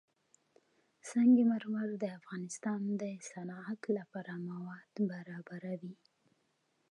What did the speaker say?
سنگ مرمر د افغانستان د صنعت لپاره مواد برابروي.